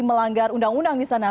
melanggar undang undang di sana